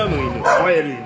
ほえる犬